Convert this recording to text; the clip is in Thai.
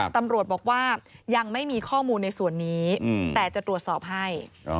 ตำรวจบอกว่ายังไม่มีข้อมูลในส่วนนี้แต่จะตรวจสอบให้